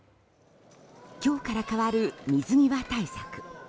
今日から変わる、水際対策。